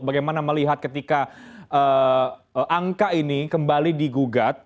bagaimana melihat ketika angka ini kembali digugat